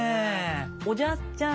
おじゃすちゃん